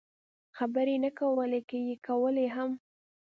خبرې یې نه کولې، که یې کولای هم.